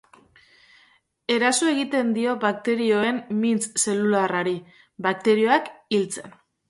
Eraso egiten dio bakterioen mintz zelularrari, bakterioak hiltzen.